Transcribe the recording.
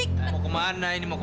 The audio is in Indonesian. keluar tau diku